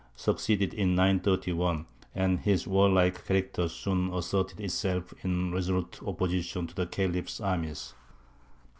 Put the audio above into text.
succeeded in 931, and his warlike character soon asserted itself in resolute opposition to the Khalif's armies.